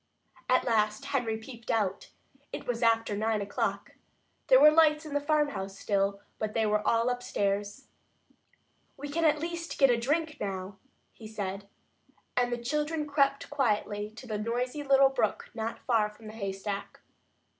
At last Henry peeped out. It was after nine o'clock. There were lights in the farmhouse still, but they were all upstairs. "We can at least get a drink now," he said. And the children crept quietly to the noisy little brook not far from the haystack.